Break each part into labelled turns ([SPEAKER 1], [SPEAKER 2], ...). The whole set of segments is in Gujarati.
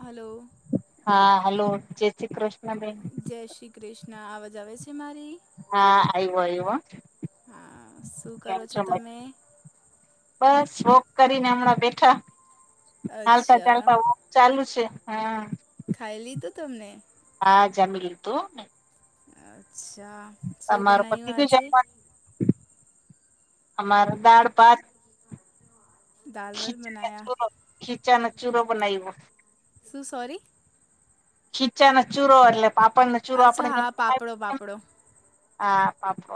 [SPEAKER 1] હલો
[SPEAKER 2] હા હલો જય શ્રી કૃષ્ણબેન.
[SPEAKER 1] જય શ્રી કૃિષ્ના. અવાજ આવે છે, મારી?
[SPEAKER 2] હા, આવ્યો આવ્યો.
[SPEAKER 1] હા, શું કરો છો તમે?
[SPEAKER 2] બસ વોક કરીને હમણાં બેઠા. હાલતા
[SPEAKER 1] અચ્છા
[SPEAKER 2] ચાલતા વો ચાલુ છે હા.
[SPEAKER 1] ખાઈ લીધું તમને?
[SPEAKER 2] હા, જમી લીધું ને
[SPEAKER 1] અહ અચ્છા સું
[SPEAKER 2] તમાર પતિ
[SPEAKER 1] બનાયું
[SPEAKER 2] ગયું
[SPEAKER 1] આજે?
[SPEAKER 2] જમવાનું અમાર દાળ ભાત
[SPEAKER 1] દાલ વલ
[SPEAKER 2] ખીચા
[SPEAKER 1] બનાયા
[SPEAKER 2] નાચૂરો ખીચા નાચૂરો બનાઈવો.
[SPEAKER 1] શું સોરી?
[SPEAKER 2] ખીચા નો ચૂરો એટલે પાપડ નો ચૂરો આપડે
[SPEAKER 1] અચ્છા
[SPEAKER 2] જેમ
[SPEAKER 1] હા પાપડો પાપડો
[SPEAKER 2] [inaudible] અહ [inaudible]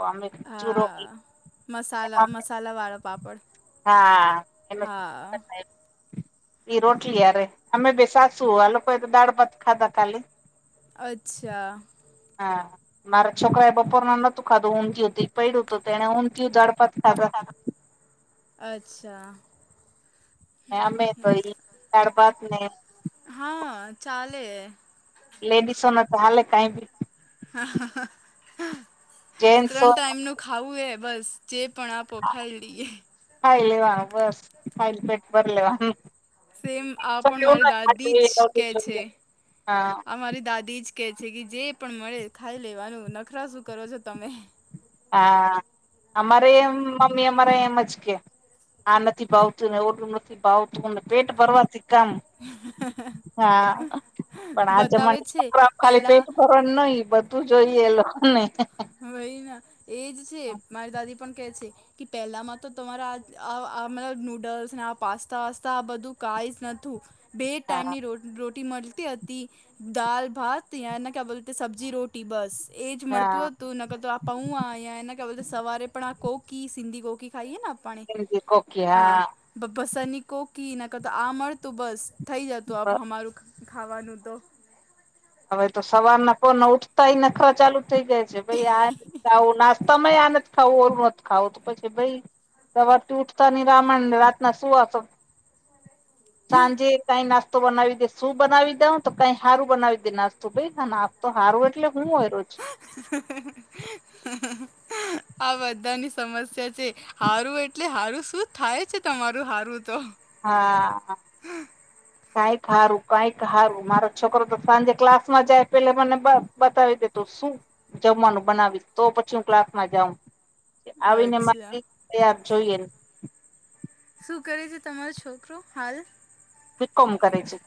[SPEAKER 1] હા મસાલા મસાલાવાળો પાપડ
[SPEAKER 2] હા એમાં [inaudible]
[SPEAKER 1] હા
[SPEAKER 2] એ રોટલી અરે અમે બે સાસું આ લોકોએ તો દાળ ભાત ખાધા કાલી.
[SPEAKER 1] અચ્છા.
[SPEAKER 2] હા, મારા છોકરા એ બપોર ના નોતું ખાધું [unintelligible] તે પડ્યું તો તેને ઉંધીયુ દાળ ભાત ખાધા.
[SPEAKER 1] અચ્છા.
[SPEAKER 2] અમે તો એ દાળ ભાત ને
[SPEAKER 1] હા, ચાલે.
[SPEAKER 2] લેડીસો ને તો હાલે કાઈ બી
[SPEAKER 1] હા,
[SPEAKER 2] જેન્ટસો
[SPEAKER 1] ત્રણ ટાઈમ નું ખાવું એ બસ. જે પણ આપો ખાઈ લઈએ.
[SPEAKER 2] ખાઈ લેવાનું બસ ખાઈન પેટ ભરીલેવાનું.
[SPEAKER 1] સેમ આ પણ તમારી દાદી જ કે છે.
[SPEAKER 2] હા
[SPEAKER 1] આ મારી દાદી જ કે છે કે જે પણ મળે ખાઈ લેવાનું નખરા શું કરો છો તમે.
[SPEAKER 2] હા, અમારે એમ મમ્મી અમારે એમજ કેહ. આ નથી ભાવતું ને ઓલુ નથી ભાવતું ને પેટ ભરવાથી કામ હા, પણ આ
[SPEAKER 1] બતાવે
[SPEAKER 2] જમાના
[SPEAKER 1] છે
[SPEAKER 2] છોકરા ખાલી
[SPEAKER 1] પેલા
[SPEAKER 2] પેટભર પણ નહી બધું જોઈએ લોકો ને.
[SPEAKER 1] હ વહી ના. એજ છે મારી દાદી પણ કે છે. કે પહેલામાં તો તમારા આ આ આ મતલબ નૂડલ્સ ને આ પાસ્તા વસતા આ બધું કાએશ નથું. બે
[SPEAKER 2] હા
[SPEAKER 1] ટાઈમની રો રોટી મલતી હતી. દાલ ભાત યાને ક્યા બોલતે સબ્જી રો ટી બસ એ જ
[SPEAKER 2] હા
[SPEAKER 1] મળતું હ તું ને નકર તો આ પૌઆ યાને બે ક્યા બોલતે સવારે પણ આ કોકી સિંધી કોકી ખાઈ હેના? પાણી
[SPEAKER 2] સિંધી કોકી
[SPEAKER 1] આ
[SPEAKER 2] હા
[SPEAKER 1] બ બસની કોકી નકર તો આ મળતું બસ. થઈ જતું આપ હમારું ખાવાનું તો.
[SPEAKER 2] હવે તો સવાર ના પોરના ઉઠતાઈ નખરા ચાલુ થઈ જાય છે કોઈ આ નાસ તમે આ નથ ખાઉ ઓ મત ખાઉ તો પછી ભઈ સવાર થી ઊઠતા નનહીં [unintelligible] સાંજે કઈ નાસ તો બનાવી દે શું બનાવી દઉં તો કઈ હારું બનાવી દ બે નાસ્તો ભઈ હા નાસ્તો તો હારવું એટલે હું હોય રોઝ.
[SPEAKER 1] આ બધાં ની સમસ્યા છે. હારું એટલે હારું શું થાય છે તમારું હારું તો.
[SPEAKER 2] હા. કઈક હારું કંઈક હારું. મારો છોકરો તો સાંજે ક્લાસમાં જાય પેલે મને બ-બતાવી દેતો શું જમવાનું બનાવીશ તો પછી હું ક્લાસ માં જાઉં. છે આવીને
[SPEAKER 1] અચ્છા
[SPEAKER 2] મારી તે આ જોઈએન.
[SPEAKER 1] શું કરે છે તમારો છોકરો હાલ.
[SPEAKER 2] બી. કોમ કરે છે.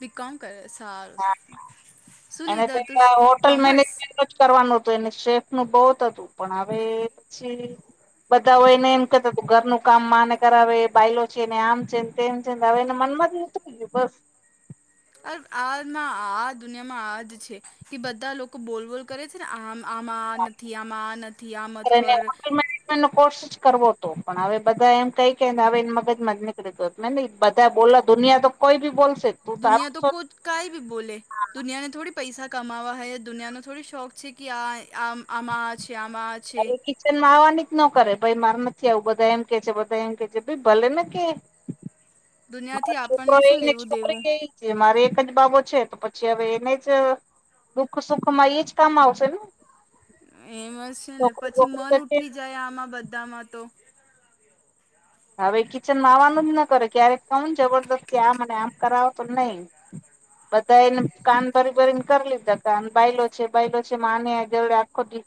[SPEAKER 1] બી. કોમ કરે સારુ
[SPEAKER 2] હા
[SPEAKER 1] સારુ શું
[SPEAKER 2] એને
[SPEAKER 1] લીધું તું
[SPEAKER 2] પેલા હોટલ
[SPEAKER 1] કોમર્સ?
[SPEAKER 2] જ મેનેજમેન્ટ કરવાનું હતું એને સેફ નું બહુત હતું પણ હવે છે બધા હોયને એમ કેતા ત ઘરનું કામ માને કરાવે બઈલો છેને આમ છે. તેમ છેવે એને મન માંથી નથી થગયું બસ.
[SPEAKER 1] અ આના આ દુનિયા માં આજ છે કે બધા લોકો બોલ બોલ કરે છે ને આમ. આમાં આ નથી, આમાં આ નથી આ મત કર.
[SPEAKER 2] અને કોશિ કરવો તો પણ હવે બધા એમ કઈ મગજ માથી નિકડી ગયું બધા બોલે દુનિયા કોઈ બી બોલશે તું
[SPEAKER 1] દુનિયા
[SPEAKER 2] તારું
[SPEAKER 1] તો
[SPEAKER 2] શોધ.
[SPEAKER 1] કૂદ કાઈ બી બોલે. દુનિયાને થોડી પૈસા કમાવા હ દુનિયાનો થોડી શોખ છે કે આ આમાં છે આમાં છે
[SPEAKER 2] [unintelligible] કિચન આવાની જ ન કરે ભાઈ મારે નથી આવું બધા એમ કે છે ભલે ને કે મારો
[SPEAKER 1] દુનિયાથી
[SPEAKER 2] છોકરો
[SPEAKER 1] આપણને શું
[SPEAKER 2] એને
[SPEAKER 1] લેવું દેવું
[SPEAKER 2] છોકરી એજ મારે એક જ બાબો છે એને જ દુઃખ સુખ માં એજ કામ આવશે ને.
[SPEAKER 1] એમ જ છે ને
[SPEAKER 2] છોકરી
[SPEAKER 1] પછી
[SPEAKER 2] વોકરી તો
[SPEAKER 1] મન
[SPEAKER 2] છે
[SPEAKER 1] ઉઠી જાય આમાં બધામાં તો.
[SPEAKER 2] હવે કિચનમાં આવવાનું જ ન કરે ક્યારેક કઉ જબરદસ્તી આમ અને આમ કરાવો તો નહી. બધા એને કાન ભરીને ભરીને કર લીધા બાયલો છે બાયલો છે માં ની જોડે આખો દી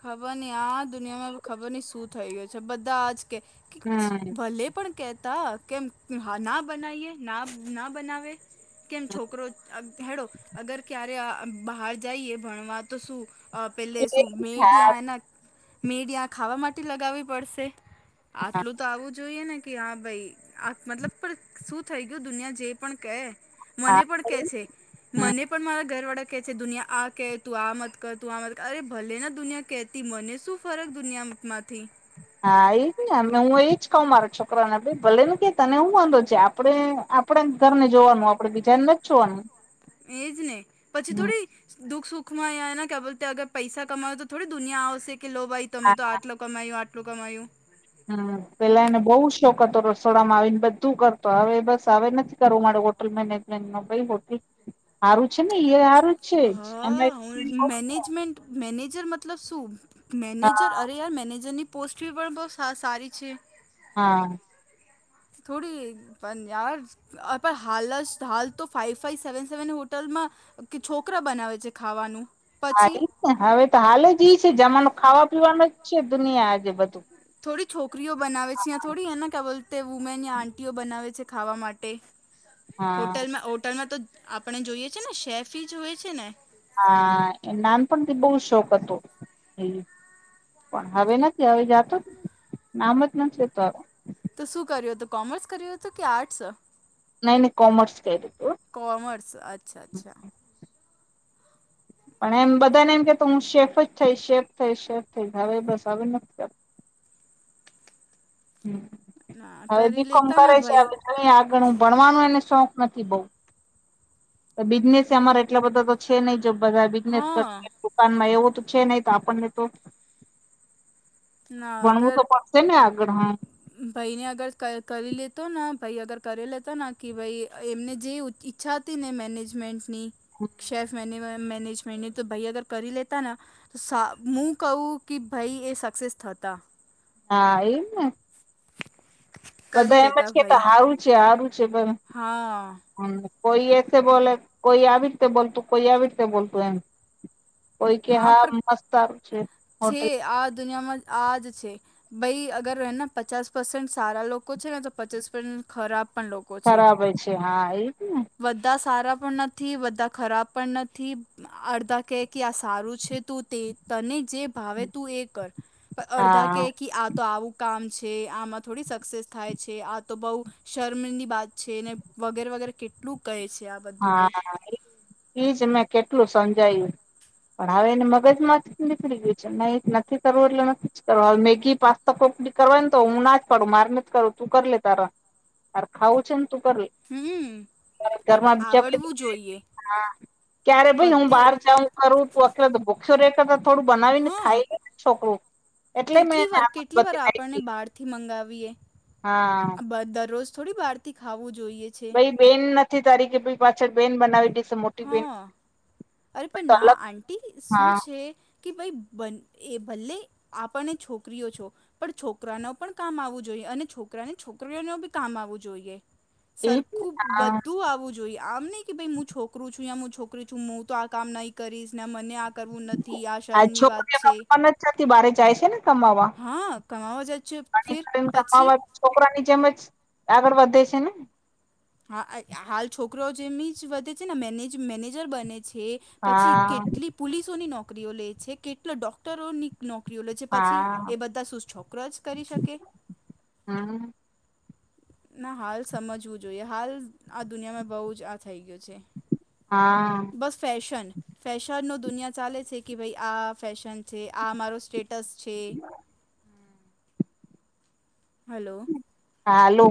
[SPEAKER 1] ખબર નઈ આ દુનિયામાં ખબર નઈ શું થઈ ગયુ છે બધા આજ કે
[SPEAKER 2] હમ
[SPEAKER 1] ભલે પણ કેતા કેમ ના બનાવીએ ના બનાવે. કેમ છોકરો હેડો, અગર ક્યારે બહાર જઈએ ભણવા તો શું પહેલે શું મેટ
[SPEAKER 2] હા
[SPEAKER 1] મેડ ખાવા માટે લગાવવી પડશે. આટલું તો આવું જોઈએ ને કે હા ભાઈ આ મતલબ પણ શું થઇ ગયું દુનિયા જે પણ કે.
[SPEAKER 2] હા
[SPEAKER 1] મને પણ કે છે
[SPEAKER 2] હમ
[SPEAKER 1] મને પણ મારા ઘર વાળા કે છે દુનિયા આ કે તું આ મત કર તું આ મત કર અરે ભલે ના દુનિયા કેતી મને શું ફરક દુનિયા માંથી.
[SPEAKER 2] હા એ જ ને અને હું એજ કઉ મારા છોકરાને આપડે ભલે ને કે તને શું વાંધો છે આપડે આપણેે ઘર ને જોવાનું આપડે બીજાને નથી જ જોવાનું.
[SPEAKER 1] એજ ને પછી
[SPEAKER 2] હમ
[SPEAKER 1] થોડી દુખ સુખમાં ને ક્યા બોલતે અગર પૈસા કમાઓ તો થોડી દુનિયા આવશે કે લો ભાઈ તમે તો આટલું કમાયું આટલું કમાયું.
[SPEAKER 2] હમ પેલા એને બઉ શોખ હતો. રસોડામાં આવીને બધું કરતો હવે બસ હવે નથી કરવું મારું ઓટ હોલટ મેનેજમેન્ટ ને ભાઈ હોટલ સારું છે ને એ સારું જ
[SPEAKER 1] હા
[SPEAKER 2] છે.
[SPEAKER 1] હું
[SPEAKER 2] હા
[SPEAKER 1] મેનેજમેન્ટ મેનેજર મતલબ શું
[SPEAKER 2] હા
[SPEAKER 1] મેનેજર અરે યાર મેનેજરની પોસ્ટ બી પણ બહુ સારી છે.
[SPEAKER 2] હા.
[SPEAKER 1] થોડી પણ યાર હાલ જ હાલ તો ફાઈવ ફાઈવ સેવન સેવન હોટલમાં કે છોકરા બનાવે છે ખાવાનું.
[SPEAKER 2] હા
[SPEAKER 1] પછી
[SPEAKER 2] એજ ને હવે તો હાલ જ ઈ છે જમાનું ખાવા પીવાનું જ છે દુનિયા આજે બધું
[SPEAKER 1] થોડી છોકરીઓ બનાવે છે. યાં થોડી એના ક બોલ વુમેન યા આંટીઓ બનાવે છે ખાવા માટે.
[SPEAKER 2] હા
[SPEAKER 1] હોટલમાં હોટલમાં તો આપણે જોઈએ છે ને શેફી જ હોય છે ને.
[SPEAKER 2] હા એ નાનપણ થી બહુ શોખ હતો. પણ હવે નથી જાતો નામદ [unintelligible]
[SPEAKER 1] તો શું કર્યું હતું કોમર્સ કર્યું હતું કે આર્ટસ?
[SPEAKER 2] નહી નહી કોમર્સ કર્યું તું.
[SPEAKER 1] કોમર્સ અચ્છા અચ્છા.
[SPEAKER 2] પણ એમ બધાને એમ કે તો હું શેફ જ થઈ શેફ થઈ શેફ થઈ હવે બસ હવે નથી કરતો.
[SPEAKER 1] ના
[SPEAKER 2] હવે
[SPEAKER 1] કરી
[SPEAKER 2] બીકોમ
[SPEAKER 1] લેતા
[SPEAKER 2] કરે
[SPEAKER 1] ના
[SPEAKER 2] છે
[SPEAKER 1] ભાઈ
[SPEAKER 2] હવે જોઈએ આગળ ભણવાનો એને શોખ નથી બઉ તો બિઝનેસ અમારે એટલા બધા તો છે નહી જો બધા બિઝનેસ
[SPEAKER 1] હા
[SPEAKER 2] કરશે પણ એવું તો છે નહી તો આપણને તો ભણવું તો પડ છે ને આગળ હા
[SPEAKER 1] ભાઈને અગર કરી લેતો ને ભાઈ અગર કરી લેતો ને કે ભાઈ એમને જે ઉ છા હતીને મેનેજમેન્ટની શેફ મે મેનેજમેન્ટ તો ભાઈ અગર કરી લેતા ને તો હું કહું કે ભાઈ એ સક્સેસ થતા
[SPEAKER 2] હા એમને
[SPEAKER 1] કરી
[SPEAKER 2] બધા એમજ
[SPEAKER 1] લેતા
[SPEAKER 2] કેતા
[SPEAKER 1] ભાઈ
[SPEAKER 2] સારું છે સારું છે પણ
[SPEAKER 1] હા.
[SPEAKER 2] હમ કોઈ એસે બોલે કોઈ આવી રીતે બોલતું કોઈ આવી રીતે બોલતું એમ. કોઈ કે હા મસ્ત હારુ છે.
[SPEAKER 1] છે
[SPEAKER 2] હોટલ
[SPEAKER 1] આ દુનિયામાં આજ છે. ભાઈ અગર એને પચાસ પરસેન્ટ સારા લોકો છે. ને તો પચાસ પરસેન્ટ ખરાબ પણ લો
[SPEAKER 2] ખરાબ હોય છે હા એ જ ને
[SPEAKER 1] બધા સારા પણ નથી બધા ખરાબ પણ નથી અડધા કે કે આ સારું છે તું તે તને જે ભાવે તું એ કર પણ અર્ધા
[SPEAKER 2] હા
[SPEAKER 1] ક કે આ તો આવું કામ છે આમાં થોડી સક્સેસ થાય છે. આ તો બઉ શર્મની વાત છે ને. વગેરે વગેરે કેટલું કહે છે આ બ
[SPEAKER 2] હા એજ મેં કેટલું સમજાયું પણ આવે ને મગજ મા નીકરી ગયું છે નહી નથી કરવું એટલે નથી કરવું હવે મેગી પા પપડી કરવા ને તો હું ના જ પાડું માર ને જ કરું તું કરી લે તારા તાર ખાવું છે ને તું કરી લ
[SPEAKER 1] હમ અરે પર
[SPEAKER 2] [inaudible]
[SPEAKER 1] આવ
[SPEAKER 2] ક્યારે ભાઈ હું
[SPEAKER 1] બધે
[SPEAKER 2] બાર હ કરું ત અખ ભોખ્યો રેખતા થોડું બનાવી ને
[SPEAKER 1] હા
[SPEAKER 2] ખાઈને છોકરું એટલે મેં
[SPEAKER 1] કેટલી
[SPEAKER 2] એને
[SPEAKER 1] વાર
[SPEAKER 2] આદત
[SPEAKER 1] કેટલી વાર આપણને
[SPEAKER 2] બતાયવી
[SPEAKER 1] બહાર થી મંગાવીએ
[SPEAKER 2] હા
[SPEAKER 1] દરરોજ થોડી બહારથી ખાવું જોઈએ છે.
[SPEAKER 2] ભાઈ બેન નથી તારી કે પહી પાછળ બેન બનાવી દી
[SPEAKER 1] હા અરે પણ
[SPEAKER 2] તો
[SPEAKER 1] ના
[SPEAKER 2] અલગ
[SPEAKER 1] આંટી શું
[SPEAKER 2] હા
[SPEAKER 1] છે કે ભાઈ બન એ ભલે આપને છોકરીઓ છો પણ છોકરા ન પણ કામ આવવું જોઈએ અને છોકરાને છોકરીઓ ન બી કામ આવવું જોઈએ.
[SPEAKER 2] એ
[SPEAKER 1] સરખું
[SPEAKER 2] હા
[SPEAKER 1] બધું આવવું જોઈએ આમ નહી કે ભઈ હું છો છું હું છોકરી છું હું તો આ કામ નહીં કરીશ ને મને આ કરવું નથી આ શર્મની વાત છે.
[SPEAKER 2] છાથી બારે જાય છે ને કમાવા
[SPEAKER 1] હા કમાવા જ છે ફિર પછી
[SPEAKER 2] કમાવા છોકરા ની જેમ જ આગળ વધે છે ને
[SPEAKER 1] હા હાલ છોકરો જેમ જ વધે છે ને મેનેજ મેનેજર બને છે. પછી
[SPEAKER 2] હા
[SPEAKER 1] કેટલી પૂલીસોની નોકરીઓ લેય છે કેટલો ડોક્ટરોની નોકરીઓ લે છે પછી
[SPEAKER 2] હા
[SPEAKER 1] એ બધા શું છોકરા જ કરી શકે
[SPEAKER 2] હમ
[SPEAKER 1] ના હાલ સમજવું જોઈએ હાલ આ દુનિયામાં બહુ જ આ થઈ ગયું છે
[SPEAKER 2] હા
[SPEAKER 1] બસ ફેશન ફેશનનો દુનિયા ચાલે છે કે ભાઈ આ ફેશન છે આ મારો સ્ટેટ ટસ છે હલો
[SPEAKER 2] હાલો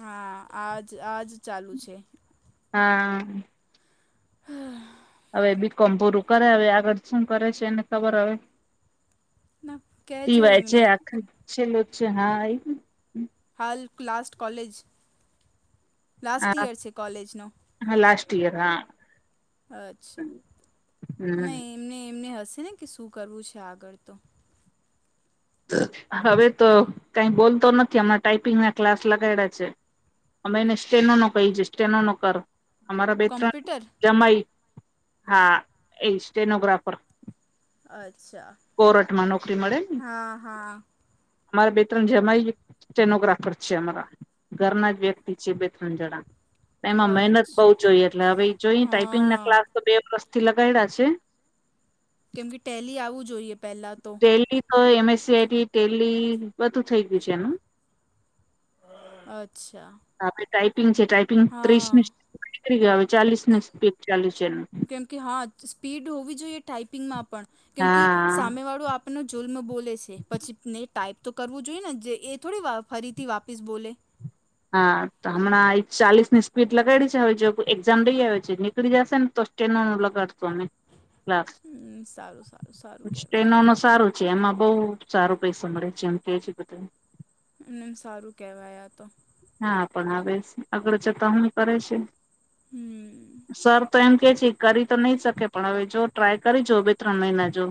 [SPEAKER 1] હા આજ આજ ચાલુ છે.
[SPEAKER 2] હા
[SPEAKER 1] હ
[SPEAKER 2] હવે બી કોમ પૂરું કરે હવે આગળ શું કરે છે એને ખબર હવે
[SPEAKER 1] ના કહેજો
[SPEAKER 2] ટીવાય છે
[SPEAKER 1] એમને
[SPEAKER 2] આખા છેલ્લો છે હા ઈ જ
[SPEAKER 1] હાલ ક્લાસ્ટ્ટ કોલેજ લાસ્ટ
[SPEAKER 2] હા
[SPEAKER 1] યર છે કોલેજનો
[SPEAKER 2] હા લાસ્ટ યર હા
[SPEAKER 1] અચ્છા
[SPEAKER 2] હમ
[SPEAKER 1] નઈ [unintelligible] એમને હશે ને કે શું કરવું છે આગળ તો
[SPEAKER 2] હવે તો કઈ બોલતો નથી હમણાં ટાઈપિંગ ના ક્લાસ લગાડિયા છે. અમે એને સ્ટેનો નો કહી છે સ્ટેનો નો કર અમારા બે ત્રણ
[SPEAKER 1] કોમ્પ્યુટર
[SPEAKER 2] જમાઈ હા એ સ્ટેનોગ્રાફર.
[SPEAKER 1] અચ્છા.
[SPEAKER 2] કોરઠમાં નોકરી મળે ને.
[SPEAKER 1] હા હા
[SPEAKER 2] અમારા બે ત્રણ જમાય સટેનોગ્રાફર છે અમારા ઘરના જ વ્યક્તિ છે. ંજણા એમાં મહેનત બઉુ
[SPEAKER 1] અચ્છા
[SPEAKER 2] જોઈએ એટલે હવે જોઈ ટાાઈપિંગ ના
[SPEAKER 1] હા
[SPEAKER 2] ક્લાસ તો બે પ્રસ્થી લગાવડા છે.
[SPEAKER 1] કેમ કે ટેલી આવું જોઈએ પહેલા તો.
[SPEAKER 2] દહી તો એમ એસસીઆઈટી દહી બધું થઈ ગયું છે એનું.
[SPEAKER 1] અચ્છા.
[SPEAKER 2] આપણે ટાાઈપિંગ છે ટાઈપિંગ
[SPEAKER 1] હા
[SPEAKER 2] ત્રીસ પી ગય હવે ચાલીસ ની સ્પીડ ચાલુ છે એનું.
[SPEAKER 1] કેમ કે હા સ્પીડ હોવી જોઈએ ટાાઈપિંગમાં પણ, કેમ કે
[SPEAKER 2] હા
[SPEAKER 1] સામે વાળું આપ જુલ્મ બોલે છે પછી ને ટાઈપ તો કરવું જોઈએ ને જે એ થોડી ફરીથી વાપીસ બોલે.
[SPEAKER 2] હા તો હમણાં ચાલીસ ની ટ લગાડી છે એક્ઝામ દઈ આવે છે નીકળી જશે ને તો સ્ટનું લગાડતું અમે. લ
[SPEAKER 1] હમ સારું સારું સારું કહેવાય
[SPEAKER 2] ટ્રેનો ન સારું. જેમમાં બહ સારો પૈસા મળે જેમ કે છે બધા.
[SPEAKER 1] અને એમ સારું કેહેવાયા તો.
[SPEAKER 2] હા પણ આવે આગળ જતા હું કરે છે.
[SPEAKER 1] હમ
[SPEAKER 2] સર તો એમ કે છે. કરી તો નહી શકે પણ હવે જો ટ્રાય કરી જો બે ત્રણ મહિના જો.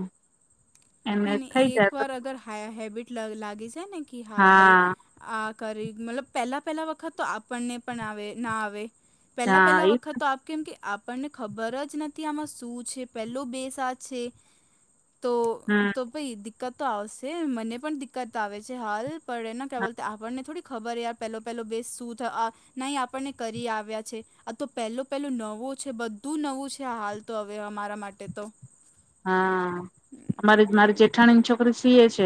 [SPEAKER 2] એને થઈ
[SPEAKER 1] એક
[SPEAKER 2] જાય તો
[SPEAKER 1] વાર અગર હેબિટ લાગી છે ને કે હા ભાઈ. આ કરી મતલબ પહેલા પહેલા વખત તો આપણને પણ આવે ના આવે. પહેલા
[SPEAKER 2] હા
[SPEAKER 1] પહેલા
[SPEAKER 2] એ
[SPEAKER 1] વખત તો આપ કેમ કે આપણને ખબર જ નથી આમાં શું છે પેલો બેસાજ છે. તો
[SPEAKER 2] હમ
[SPEAKER 1] દિકકત તો આવશે મને પણ દિક્કત આવે છે હાલ પણ એના ક્યા બોલ આપણને થોડી ખબર પેલો પહેલો બે શું થ ન આપણને કરી આવ્યા છે આ તો પેલો પેલો નવો છે બ બધું નવું છે હાલ તો હવે અમારા માટે તો
[SPEAKER 2] હા અમારે તો મારી જે જઠ્ઠાણીની છોકરી સીએ છે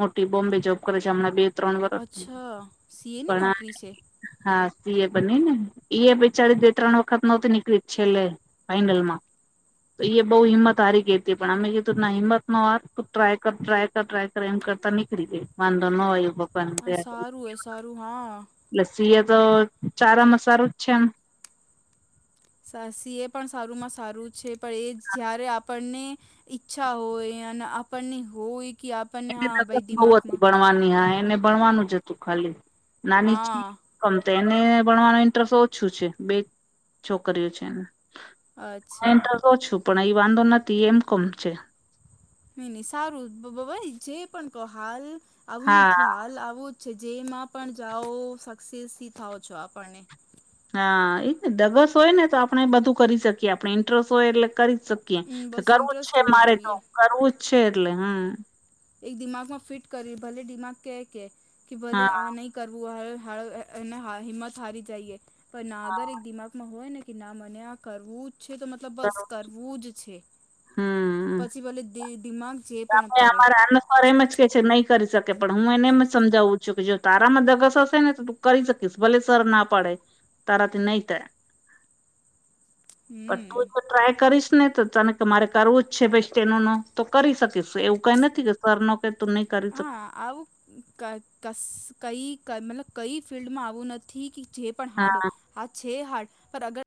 [SPEAKER 2] મોટી બોમ્બે જોબ કરે છે હમણાં બે ત્રણ વરષ
[SPEAKER 1] અચ્છા સીએની
[SPEAKER 2] પણ આ
[SPEAKER 1] નોકરી છે
[SPEAKER 2] હા સી એ બની ને એ ઈ બેચારી બે ત્રણ વખત નહોતી નીકળી જ છેલ્લે ફાઈનલમાં તો એ બઉ હિંમત હારી કે પણ અમે કીધું હીમત નો હાર તું ટ્રાય કર ટ્રાય કર ટ્રાય કર એમ કરતા નીકળી વાન ધો ન આવ્યો ભગવાન
[SPEAKER 1] હા
[SPEAKER 2] દયા
[SPEAKER 1] સારું હ સારું હા
[SPEAKER 2] લસ્સી એ તો ચારા મા સાલુ જ
[SPEAKER 1] સી એ પણ સારુંમાં સારું છે પણ ઈ જયારે આપણને ઈચ્છા હોય અને આપણને હોય કે આપણને
[SPEAKER 2] એની
[SPEAKER 1] હા
[SPEAKER 2] તકત
[SPEAKER 1] ભાઈ
[SPEAKER 2] બહુ હતી
[SPEAKER 1] દિમાગમાં
[SPEAKER 2] ભણવાની હા એને ભણવાનું જ હતું ખાલી નાની
[SPEAKER 1] હા
[SPEAKER 2] ગમ તો એને ભણવાનો ઇન્ટરેસ્ટ ઓછું છે બે છોકરીઓ છે એને
[SPEAKER 1] અચ્છા
[SPEAKER 2] તો છું પણ અહીં વાંધો નથી ઈ એમ કોમ છે
[SPEAKER 1] નઈ નહી સારું જે પણ કહ હાલ આવું
[SPEAKER 2] હા
[SPEAKER 1] નથી હાલ આવું છે જેમાં પણ જાઓ સક્સેસથી થાવ છો આપણને
[SPEAKER 2] હા એ ને દગસ હોય ને તો આપણે બધું કરી શકીએ આપણે ઇન્ટરસ હોય એટલે કરીકીએ
[SPEAKER 1] હમ, બસ
[SPEAKER 2] કરવું જ
[SPEAKER 1] ઇન્ટરેસ્ટ
[SPEAKER 2] છે
[SPEAKER 1] હોવું
[SPEAKER 2] મારે તો
[SPEAKER 1] જોઈએ
[SPEAKER 2] કરવું જ છે એટલે હમ
[SPEAKER 1] એક દિમાગમાં ફિટ કરી ભલે દિમાગ કે કે કે ભલે
[SPEAKER 2] હા
[SPEAKER 1] આ નહી કરવું હિંમત હારી જઈએ પણ ના આગર એક
[SPEAKER 2] હા
[SPEAKER 1] દિમાગમાં હોય ને કે ના મને આ કરવું જ છે તો મતલબ બસ કરવું જ છે
[SPEAKER 2] હમ
[SPEAKER 1] વલે દિમાગ જે પણ
[SPEAKER 2] તમે
[SPEAKER 1] કહે
[SPEAKER 2] અમારા પર એમ જ કે છે નહી કરી શકે પણ હું એને એમ જ સમજાવું છું કે જો તારામાં દગસ હશે ને તો કરી શકીશ ભલે સર ના પડે તારા તે નહી થાય
[SPEAKER 1] હમ
[SPEAKER 2] પટુંર ટ્રાય કરીશ ને તો તને મારે કરવું જ છે ભ તેનો નો તો કરી શકે એવું કઈ નથી કે સર નો ક તું નહી કરી શક
[SPEAKER 1] હા આવું ક ક કઈ મતલબ કઈ ફિલ્ડમાં આવું નથી કે જે પણ
[SPEAKER 2] હા
[SPEAKER 1] હારડો હા છે હારડ પર અગર